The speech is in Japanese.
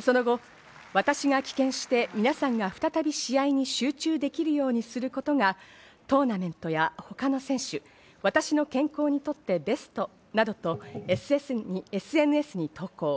その後、私が棄権して皆さんが再び試合に集中できようにすることがトーナメントや他の選手、私の健康にとってベストだなどとＳＮＳに投稿。